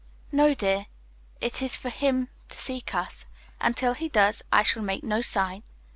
"No, dear, it is for him to seek us, and till he does, I shall make no sign.